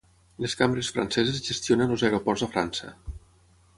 Les cambres franceses gestionen els aeroports a França.